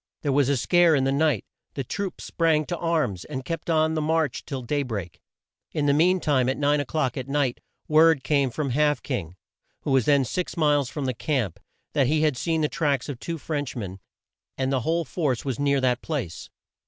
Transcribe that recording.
There was a scare in the night. The troops sprang to arms, and kept on the march till day break. In the mean time, at nine o'clock at night, word came from Half King, who was then six miles from the camp, that he had seen the tracks of two French men, and the whole force was near that place.